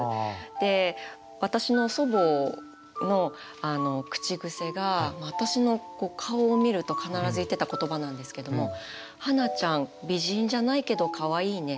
で私の祖母の口癖が私の顔を見ると必ず言ってた言葉なんですけども「はなちゃん美人じゃないけどかわいいね」。